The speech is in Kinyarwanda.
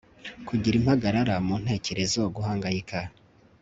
kugira impagarara mu ntekerezo guhangayika